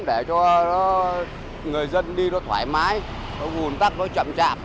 để cho người dân đi nó thoải mái nó ủn tắc nó chậm trạm